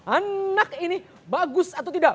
anak ini bagus atau tidak